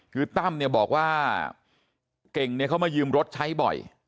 คือตั้มเนี่ยบอกว่าเก่งเนี่ยเขามายืมรถใช้บ่อย